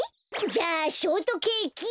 じゃあショートケーキ。